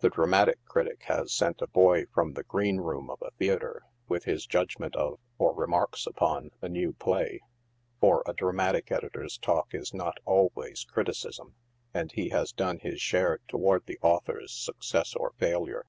The dramatic critic has sent a boy from the green room of a theatre with his judg ment of, or remarks upon, a new play, (for a dramatic editor's talk is not always criticism) and he has done his share toward the au thor's success or failure.